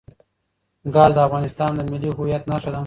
ګاز د افغانستان د ملي هویت نښه ده.